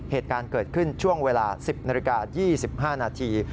เหตุการณ์เกิดขึ้นช่วงเวลา๑๐นาฬิกา๒๕นาที